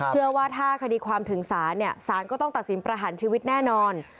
เชื่อว่าถ้าคดีความถึงศาลเนี่ยสารก็ต้องตัดสินประหารชีวิตแน่นอน